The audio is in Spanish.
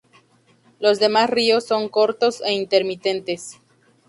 Los demás ríos son cortos e intermitentes.